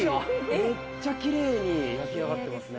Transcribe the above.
めっちゃきれいに焼き上がってますね。